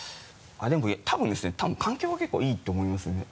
でも多分ですね多分環境は結構いいと思いますね。